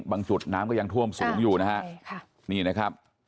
จุดน้ำก็ยังท่วมสูงอยู่นะฮะใช่ค่ะนี่นะครับ